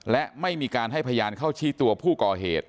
และไม่มีการให้พยานเข้าชี้ตัวผู้ก่อเหตุ